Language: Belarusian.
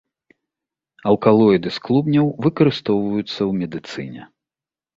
Алкалоіды з клубняў выкарыстоўваюцца ў медыцыне.